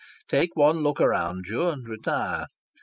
Take one look around you, and retire!